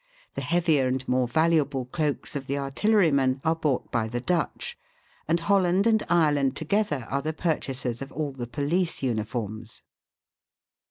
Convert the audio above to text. The heavier and more valuable cloaks of the artillerymen are bought by the Dutch ; and Holland and Ireland together are the purchased of all the police uniforms.